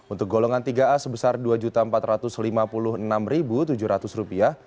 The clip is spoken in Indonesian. untuk golongan tiga a sebesar rp dua empat ratus lima puluh enam tujuh ratus